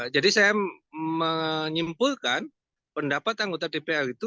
jadi saya menyimpulkan pendapat anggota dpr itu